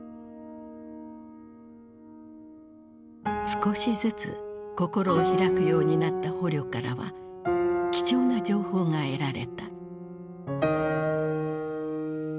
少しずつ心を開くようになった捕虜からは貴重な情報が得られた。